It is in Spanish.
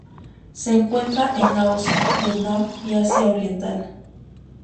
Se encuentra en Laos, Vietnam y Asia Oriental.